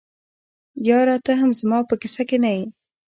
یاره ته هم زما په کیسه کي نه یې.